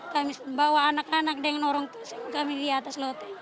kami bawa anak anak dengan orang kami di atas lote